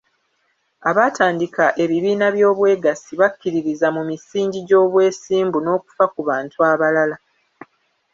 Abaatandika ebibiina by’obwegassi bakkiririza mu misingi gy’obwesimbu n’okufa ku bantu abalala.